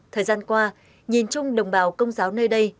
thời gian qua nhìn chung đồng bào công giáo nơi đây